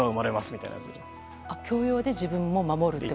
教養で自分を守ると。